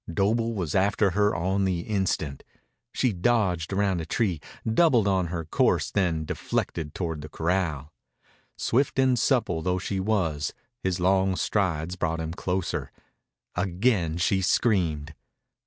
Doble was after her on the instant. She dodged round a tree, doubled on her course, then deflected toward the corral. Swift and supple though she was, his long strides brought him closer. Again she screamed.